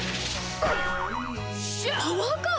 パワーカーブ⁉